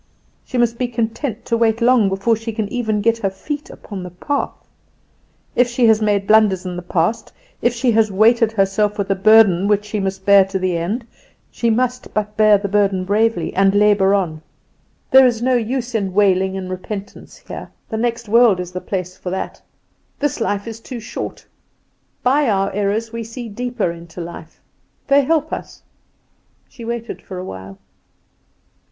She must be content to wait long before she can even get her feet upon the path. If she has made blunders in the past, if she has weighted herself with a burden which she must bear to the end, she must but bear the burden bravely, and labour on. There is no use in wailing and repentance here: the next world is the place for that; this life is too short. By our errors we see deeper into life. They help us." She waited for a while.